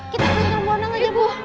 kita ke rumah anak aja bu